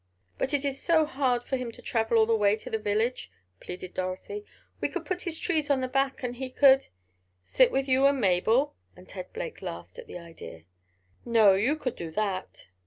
"But it is so hard for him to travel all the way to the village?" pleaded Dorothy. "We could put his trees on back, and he could——" "Sit with you and Mabel?" and Ted Blake laughed at the idea. "No, you could do that?"